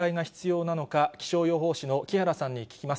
いつまで警戒が必要なのか、気象予報士の木原さんに聞きます。